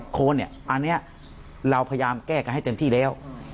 โค้นเนี้ยอันเนี้ยเราพยายามแก้กันให้เต็มที่แล้วอืม